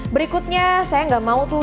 berikutnya saya nggak mau tuh